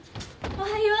おはよう！